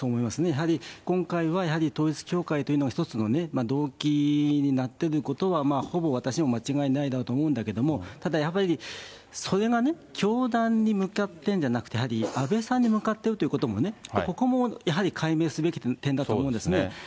やはり、今回はやはり統一教会というのが一つのね、動機になってることは、ほぼ私も間違いないだろうと思うのだけれども、ただやっぱり、それがね、教団に向かってるんじゃなくて、やはり安倍さんに向かってるということもね、ここもやはり解明すべき点だと思うんですね。